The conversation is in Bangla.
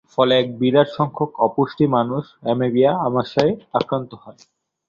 ফলে এক বিরাট সংখ্যক অপুষ্ট মানুষ অ্যামিবীয় আমাশয়ে আক্রান্ত হয়।